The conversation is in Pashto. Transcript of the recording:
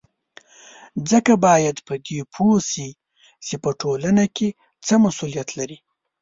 خلک باید په دې پوه سي چې په ټولنه کې څه مسولیت لري